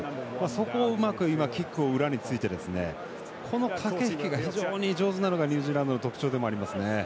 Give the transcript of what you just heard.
そこを今、うまくキックを裏についてこの駆け引きが非常に上手なのがニュージーランドの特徴でもありますね。